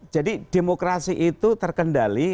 jadi demokrasi itu terkendali